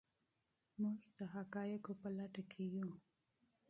موږ د حقایقو په لټه کې یو.